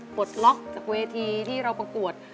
ปลดล็อกจากเวทีที่เราประกวด